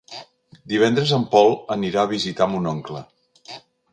Divendres en Pol anirà a visitar mon oncle.